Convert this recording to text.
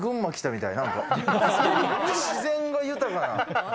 自然が豊かな。